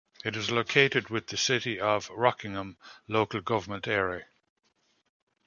It is located with the City of Rockingham local government area.